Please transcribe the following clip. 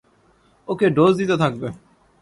ওকে dose দিতে থাকবে।